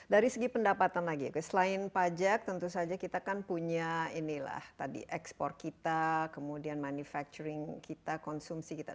dari segi pendapatan lagi selain pajak tentu saja kita kan punya inilah tadi ekspor kita kemudian manufacturing kita konsumsi kita